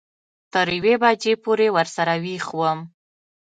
تر یوې بجې پورې ورسره وېښ وم.